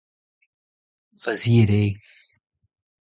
Faziet out.